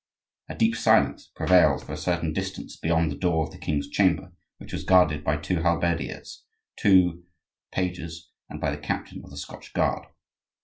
A deep silence prevailed for a certain distance beyond the door of the king's chamber, which was guarded by two halberdiers, two pages, and by the captain of the Scotch guard.